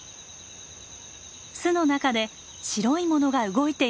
巣の中で白いものが動いています。